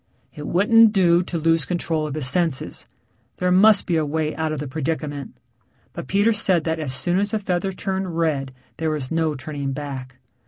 It wouldn't do to lose control of his senses. There must be a way out of the predicament. But Peter said that as soon as the feather turned red there was no turning back.